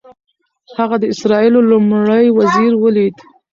هغه د اسرائیلو لومړي وزیر ولید.